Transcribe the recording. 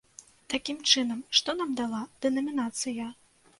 Такім чынам, што нам дала дэнамінацыя?